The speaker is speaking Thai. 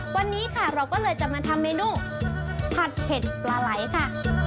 วันนี้ค่ะเราก็เลยจะมาทำเมนูผัดเผ็ดปลาไหลค่ะ